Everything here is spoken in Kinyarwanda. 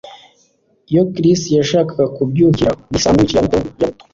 Icyo Chris yashakaga mubyukuri ni sandwich ya buto ya buto